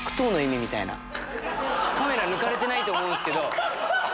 カメラ抜かれてないと思うんすけど。